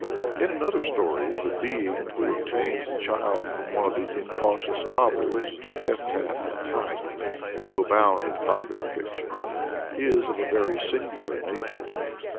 In another story, the being who obtains a child from one of the incautious fathers of the Jephthah type who abound in popular fiction, is of a very singular nature.